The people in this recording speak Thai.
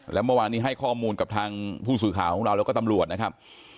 แล้วเมื่อวานนี้ให้ข้อมูลกับทางผู้สื่อข่าวของเราแล้วก็ตำรวจนะครับ